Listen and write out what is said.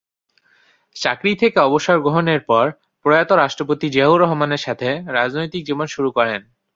চাকরি থেকে অবসর গ্রহণের পর প্রয়াত রাষ্ট্রপতি জিয়াউর রহমানের সাথে রাজনৈতিক জীবন শুরু করেন।